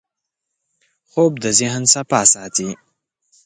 خوب د ذهن صفا ساتي